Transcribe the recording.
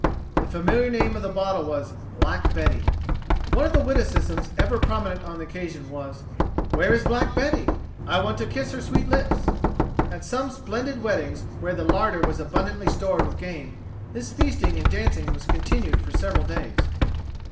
The familiar name of the bottle was "Black Betty." One of the witticisms ever prominent on the occasion was, "Where is Black Betty? I want to kiss her sweet lips." At some splendid weddings, where the larder was abundantly stored with game, this feasting and dancing was continued for several days.